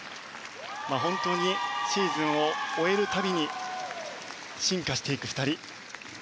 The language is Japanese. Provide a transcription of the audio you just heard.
本当にシーズンを終えるたびに進化していく２人。